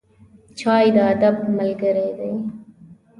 چای د ادب ملګری دی.